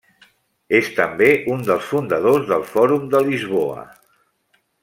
És també un dels fundadors del Fòrum de Lisboa.